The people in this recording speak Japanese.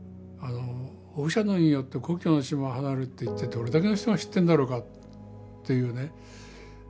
放射能によって故郷の島を離れるって一体どれだけの人が知ってんだろうかというね。